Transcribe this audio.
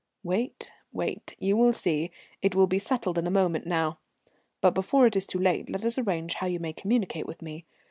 "Wait, wait. You will see. It will be settled in a moment now. But before it is too late let us arrange how you may communicate with me.